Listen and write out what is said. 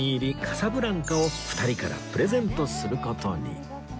カサブランカを２人からプレゼントする事に